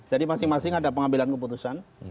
jadi masing masing ada pengambilan keputusan